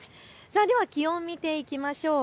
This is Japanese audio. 気温を見ていきましょう。